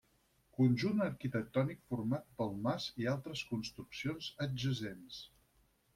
Conjunt arquitectònic format pel mas i altres construccions adjacents.